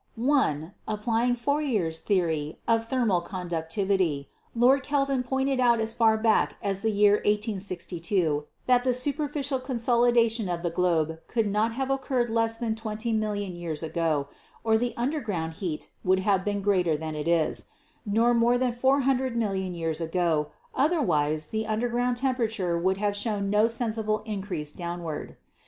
( 1 ) Applying Fourier's theory of thermal con ductivity, Lord Kelvin pointed out as far back as the year 1862 that the superficial consolidation of the globe could not have occurred less than 20 million years ago, or the underground heat would have been greater than it is; nor more than 400 million years ago, otherwise the under HISTORICAL GEOLOGY 239 ground temperature would have shown no sensible increase downward.